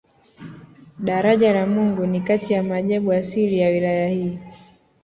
Daraja la Mungu ni kati ya maajabu asilia ya wilaya hii